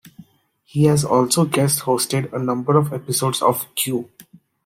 He has also guest hosted a number of episodes of "Q".